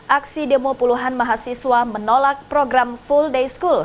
aksi demo puluhan mahasiswa menolak program full day school